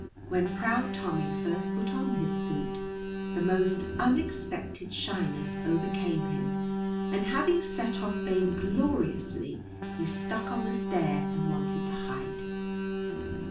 When proud Tommy first put on his suit the most unexpected shyness overcame him, and having set off vaingloriously he stuck on the stair and wanted to hide.